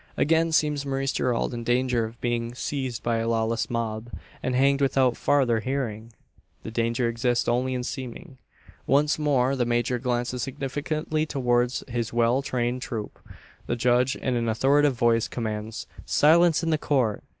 Again seems Maurice Gerald in danger of being seized by a lawless mob, and hanged without farther hearing! The danger exists only in seeming. Once more the major glances significantly towards his well trained troop; the judge in an authoritative voice commands "Silence in the Court!"